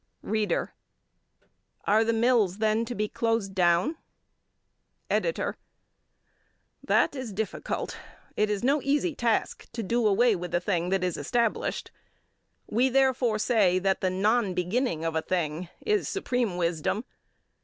READER: Are the mills, then, to be closed down? EDITOR: That is difficult. It is no easy task to do away with a thing that is established. We, therefore, say that the non beginning of a thing is, supreme wisdom.